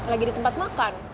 lagi di tempat makan